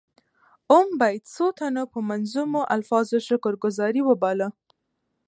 اووم بیت څو تنو په منظومو الفاظو شکر ګذاري وباله.